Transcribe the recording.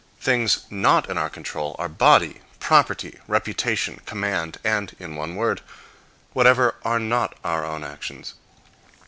Things not in our control are body, property, reputation, command, and, in one word, whatever are not our own actions.